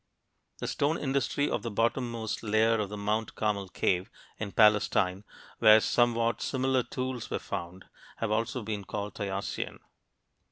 The stone industry of the bottommost layer of the Mount Carmel cave, in Palestine, where somewhat similar tools were found, has also been called Tayacian.